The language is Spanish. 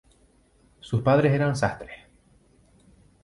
Sus padres eran sastres.